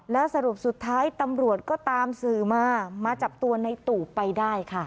แล้วสรุปสุดท้ายตำรวจก็ตามสื่อมามาจับตัวในตู่ไปได้ค่ะ